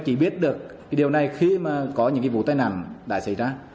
chỉ biết được điều này khi mà có những vụ tai nặng đã xảy ra